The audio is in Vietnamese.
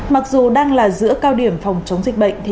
mặc dù đang là giữa cao điểm phòng chống dịch bệnh